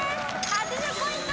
８０ポイント